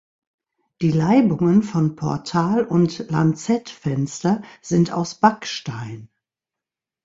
Die Laibungen von Portal und Lanzettfenster sind aus Backstein.